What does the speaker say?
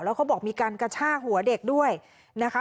แล้วเขาบอกมีการกระชากหัวเด็กด้วยนะคะ